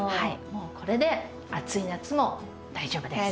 もうこれで暑い夏も大丈夫です。